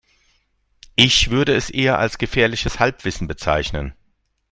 Ich würde es eher als gefährliches Halbwissen bezeichnen.